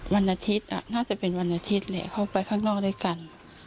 วันอาทิตย์น่าจะเป็นวันอาทิตย์แหละเขาไปข้างนอกด้วยกัน